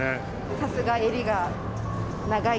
さすが襟が長い。